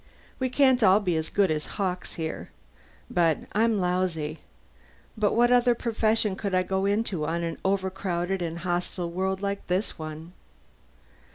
We can't all be as good as Hawkes here. I'm lousy but what other profession could I go into, on an overcrowded and hostile world like this one?"